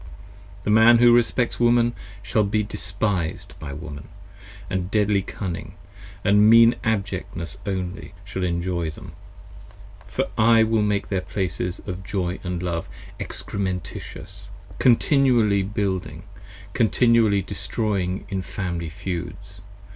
The Man who respects Woman shall be despised by Woman: And deadly cunning, & mean abjectness only, shall enjoy them. For I will make their places of joy & love, excrementitious, 40 Continually building, continually destroying in Family feuds.